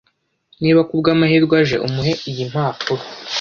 Niba kubwamahirwe aje, umuhe iyi mpapuro.